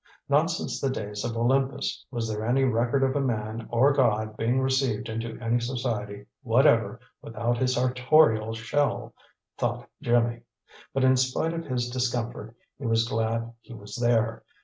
Not since the days of Olympus was there any record of man or god being received into any society whatever without his sartorial shell, thought Jimmy. But in spite of his discomfort, he was glad he was there.